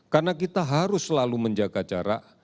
karena kita harus selalu menjaga jarak